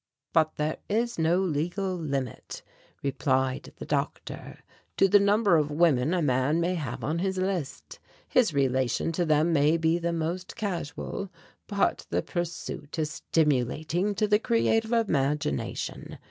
"But there is no legal limit," replied the Doctor, "to the number of women a man may have on his list. His relation to them may be the most casual, but the pursuit is stimulating to the creative imagination.